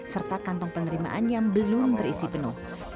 serta kantong penerimaan yang belum terisi penuh